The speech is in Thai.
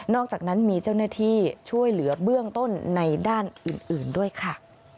อกจากนั้นมีเจ้าหน้าที่ช่วยเหลือเบื้องต้นในด้านอื่นด้วยค่ะ